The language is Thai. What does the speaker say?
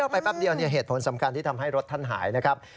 ไปแป๊บเดียวเหตุผลสำคัญที่ทำให้รถท่านหายนะครับ